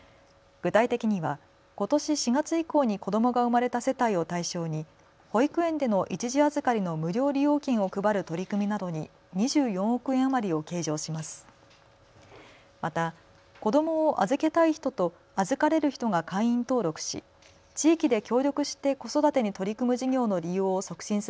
具体的には、ことし４月以降に子どもが生まれた世帯を対象に保育園での一時預かりの無料利用券を配る取り組みなどに２４億円余りを計上します。